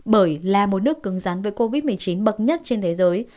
bởi là một nước cứng rắn với covid một mươi chín bậc nhất trên thế giới